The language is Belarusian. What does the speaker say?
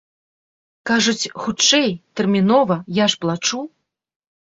Кажуць, хутчэй, тэрмінова, я ж плачу.